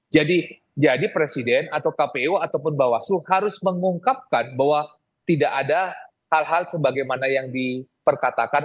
jadi presiden atau kpu ataupun bawasuh harus mengungkapkan bahwa tidak ada hal hal sebagaimana yang diperkatakan